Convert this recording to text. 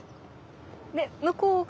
で向こうが。